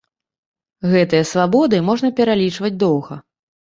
Гэтыя свабоды можна пералічваць доўга.